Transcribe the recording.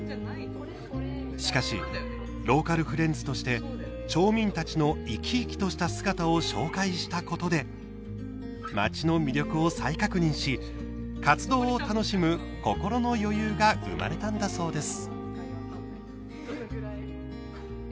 しかし、ローカルフレンズとして町民たちの生き生きとした姿を紹介したことで町の魅力を再確認し活動を楽しむ心の余裕が生まれたんだそうです。